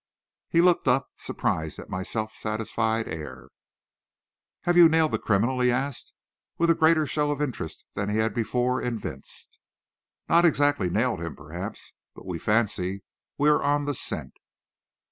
He looked up, surprised at my self satisfied air. "Have you nailed the criminal?" he asked, with a greater show of interest than he had before evinced. "Not exactly nailed him, perhaps. But we fancy we are on the scent."